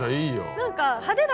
何か。